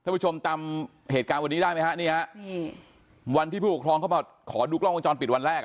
พูดตามเหตุการณ์วันนี้ได้ไหมครับวันที่ผู้ปกครองเขามาขอดูกล้องวงจรปิดวันแรก